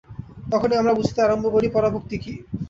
তখনই আমরা বুঝিতে আরম্ভ করি, পরাভক্তি কি।